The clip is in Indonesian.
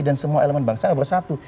dan semua elemen bangsa ini bersatu